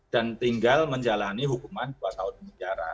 dan tinggal menjalani hukuman dua tahun menjara